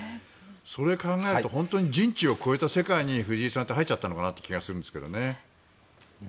それを考えると人知を超えた世界に藤井さんって入っちゃったのかなという気がするんですけどね。